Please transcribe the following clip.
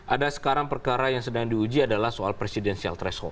ada sekarang perkara yang sedang diuji adalah soal presidensial threshold